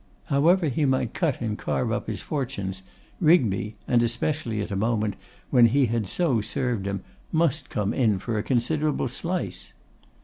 However he might cut and carve up his fortunes, Rigby, and especially at a moment when he had so served him, must come in for a considerable slice.